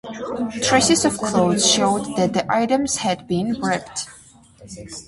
Traces of cloth showed that the items had been wrapped.